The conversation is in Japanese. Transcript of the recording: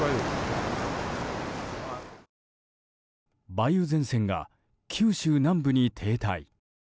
梅雨前線が九州南部に停滞。